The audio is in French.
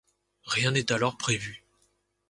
Rien n'est alors prévu.